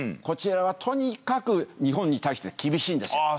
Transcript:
こちらはとにかく日本に対して厳しいんです。